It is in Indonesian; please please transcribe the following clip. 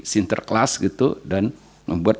sinter class gitu dan membuat